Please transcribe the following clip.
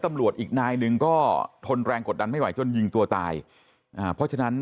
ตำรวจอีกนายหนึ่งก็ทนแรงกดดันไม่ไหวจนยิงตัวตายอ่าเพราะฉะนั้น